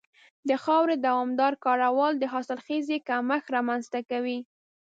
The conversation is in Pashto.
د خاورې دوامداره کارول د حاصلخېزۍ کمښت رامنځته کوي.